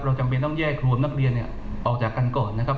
จำเป็นต้องแยกรวมนักเรียนเนี่ยออกจากกันก่อนนะครับ